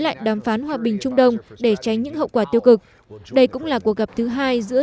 quan sát đến hòa bình trung đông để tránh những hậu quả tiêu cực đây cũng là cuộc gặp thứ hai giữa